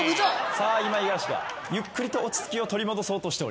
さあ今イガラシがゆっくりと落ち着きを取り戻そうとしております。